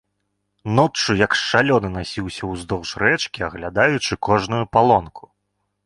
Ноччу як шалёны насіўся ўздоўж рэчкі, аглядаючы кожную палонку.